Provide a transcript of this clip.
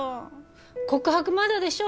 告白まだでしょ？